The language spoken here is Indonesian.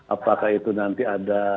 apakah itu nanti ada